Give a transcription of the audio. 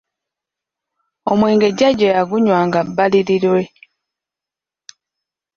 Omwenge jjaja yagunywanga bbalirirwe.